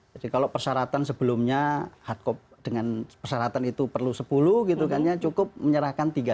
jadi kalau persyaratan sebelumnya dengan persyaratan itu perlu sepuluh gitu kan ya cukup menyerahkan tiga saja